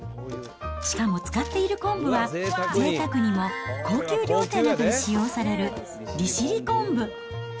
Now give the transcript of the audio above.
しかも使っている昆布はぜいたくにも高級料亭などで使用される利尻昆布。